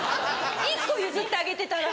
１個譲ってあげてたら。